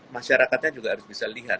masyarakatnya juga harus bisa lihat